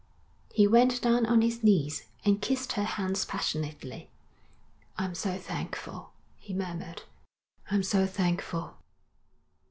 He went down on his knees and kissed her hands passionately. 'I'm so thankful,' he murmured. 'I'm so thankful.'